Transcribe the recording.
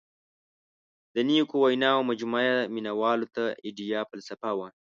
• د نیکو ویناوو مجموعه یې مینوالو ته آیډیاله فلسفه وه.